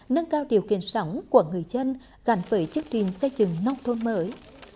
nâng cao điều kiện sống của người dân gắn với chương trình xây dựng nông thôn mới